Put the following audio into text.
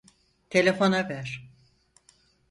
Telefona ver.